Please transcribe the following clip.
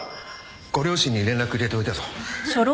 ご両親に連絡入れておいたぞ。